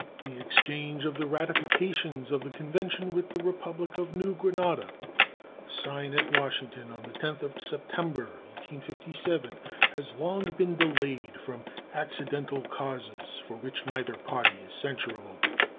The exchange of the ratifications of the convention with the Republic of New Granada signed at Washington on the 10th of September, 1857, has been long delayed from accidental causes for which neither party is censurable.